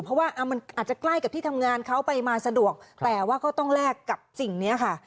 เพราะว่ามันอาจจะใกล้กับที่ทำงานเขาไปมาสะดวกแต่ว่าก็ต้องแลกกับสิ่งนี้ค่ะ